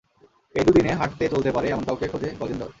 এই দুদিনে, হাঁটতে চলতে পারে এমন কাউকে খোঁজো গজেন্দর।